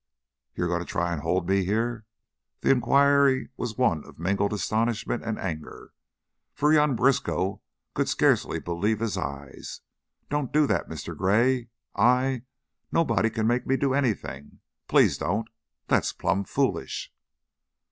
"You goin' to try an' hold me here?" The inquiry was one of mingled astonishment and anger, for young Briskow could scarcely believe his eyes. "Don't do that, Mr. Gray. I Nobody can't make me do anything. Please don't! That's plumb foolish."